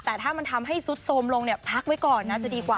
แต่ถ้ามันทำให้ซุดโทรมลงเนี่ยพักไว้ก่อนน่าจะดีกว่า